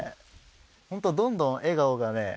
本当どんどん笑顔がね